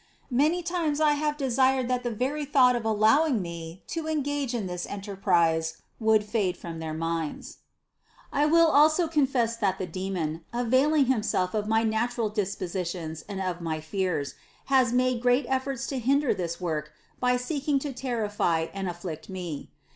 Many times I have desired that the very thought of allowing me to engage in this enterprise would fade from their minds. 12. I will also confess that the demon, availing himself of my natural dispositions and of my fears, has made great efforts to hinder this work by seeking to terrify and afflict me.